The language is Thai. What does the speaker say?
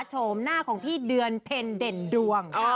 โฉมหน้าของพี่เดือนเพ็ญเด่นดวง